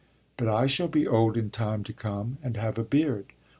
But I shall be old in time to come and have a beard.